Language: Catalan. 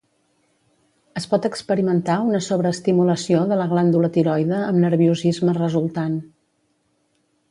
Es pot experimentar una sobre-estimulació de la glàndula tiroide amb nerviosisme resultant.